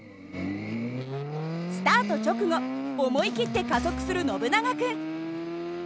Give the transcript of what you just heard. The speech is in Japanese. スタート直後思い切って加速するノブナガ君。